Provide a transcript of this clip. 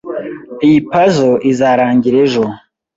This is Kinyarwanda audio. Iyi puzzle izarangira ejo.